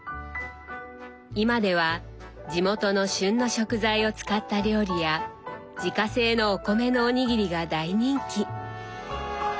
今では地元の旬の食材を使った料理や自家製のお米のお握りが大人気。